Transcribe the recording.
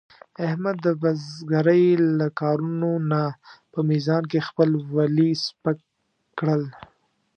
احمد د بزرګرۍ له کارونو نه په میزان کې خپل ولي سپک کړل.